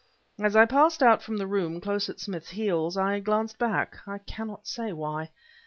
As I passed out from the room close at Smith's heels, I glanced back, I cannot say why.